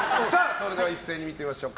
それでは一斉に見てみましょう。